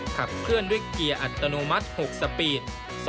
ขับเคลื่อนด้วยเกียร์อัตโนมัติ๖สปีด